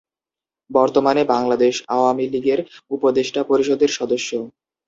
বর্তমানে বাংলাদেশ আওয়ামী লীগের উপদেষ্টা পরিষদের সদস্য।